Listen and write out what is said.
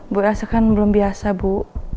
bu rasa kan belum biasa bu